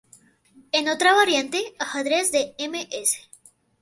En otra variante, Ajedrez de Ms.